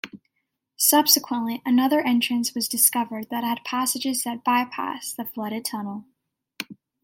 Subsequently, another entrance was discovered that had passages that bypassed the flooded tunnel.